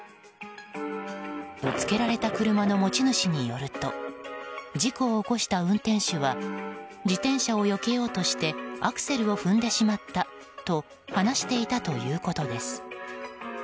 ぶつけられた車の持ち主によると事故を起こした運転手は自転車をよけようとしてアクセルを踏んでしまったと話していたということです。